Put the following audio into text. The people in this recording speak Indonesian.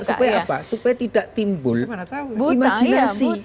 supaya apa supaya tidak timbul imajinasi